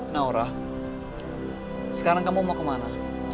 naura sekarang kamu mau kemana